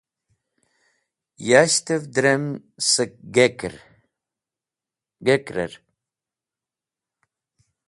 Yashtẽv drem sẽk gakrẽr.